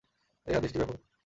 এ হাদীসটি ব্যাপক।